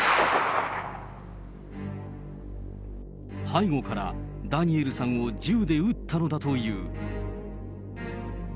背後からダニエルさんを銃で撃ったのだという。